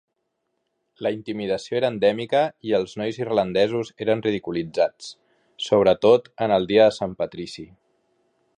La intimidació era endèmica i els nois irlandesos eren ridiculitzats, sobretot en el dia de Sant Patrici.